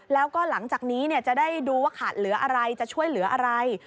แล้วก็หลังจากนี้จะได้ดูว่าขาดเหลืออะไรจะช่วยเหลืออะไร